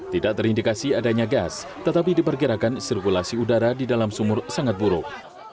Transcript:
tidak terindikasi adanya gas tetapi diperkirakan sirkulasi udara di dalam sumur sangat buruk